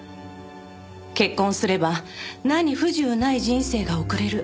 結婚すれば何不自由ない人生が送れる。